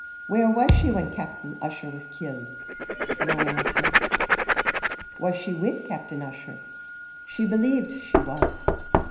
"Where was she when Captain Ussher was killed?" No answer. "Was she with Captain Ussher?" "She believed she was."